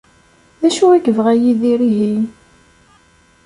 D acu i yebɣa Yidir ihi?